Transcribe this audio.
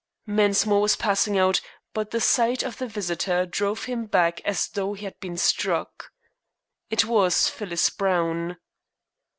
Mensmore was passing out, but the sight of the visitor drove him back as though he had been struck. It was Phyllis Browne.